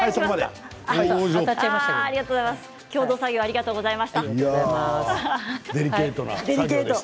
共同作業ありがとうございました。